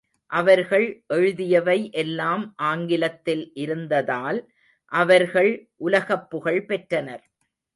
அவர்கள் எழுதியவை எல்லாம் ஆங்கிலத்தில் இருந்ததால் அவர்கள் உலகப் புகழ் பெற்றனர்.